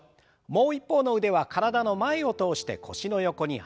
もう一方の腕は体の前を通して腰の横にあてます。